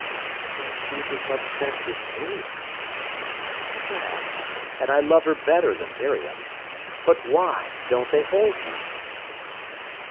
"Yet she's as much sense as Miriam." "Perhaps; and I love her better than Miriam. But why don't they hold me?"